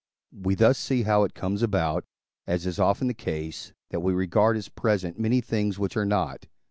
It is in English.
We thus see how it comes about, as is often the case, that we regard as present many things which are not.